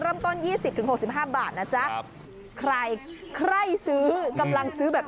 แพงลำต้น๒๐ถึง๖๕บาทนะจ๊ะใครใครซื้อกำลังซื้อแบบ